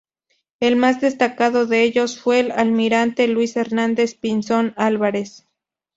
El más destacado de ellos fue el Almirante Luis Hernández-Pinzón Álvarez.